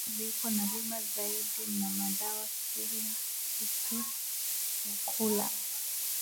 Likasi beko na lima zaidi na madawa kila kitu kya kula